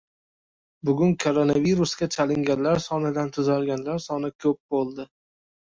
Bugun koronavirusga chalinganlar sonidan tuzalganlar soni ko‘p bo‘ldi!